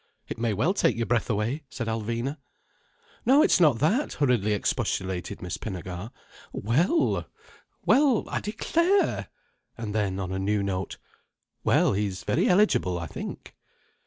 "It may well take your breath away," said Alvina. "No, it's not that!" hurriedly expostulated Miss Pinnegar. "Well—! Well, I declare!—" and then, on a new note: "Well, he's very eligible, I think."